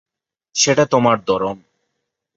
সেটা তোমার ধরন।